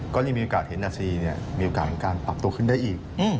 ก็ยังมีโอกาสสดงดังพิจารย์ปรับขึ้นได้อีก